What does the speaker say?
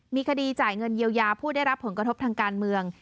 มีคดีจ่ายเงินเยียวยาผู้ได้รับผลกระทบทางการเมือง